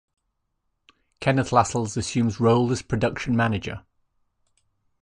Kenneth Lascelles assumes role as production manager.